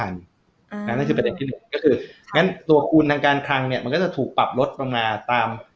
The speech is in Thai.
นั่นก็คือประเด็นที่หนึ่งก็คืองั้นตัวคุณทางการคลังเนี่ยมันก็จะถูกปรับลดลงมาตาม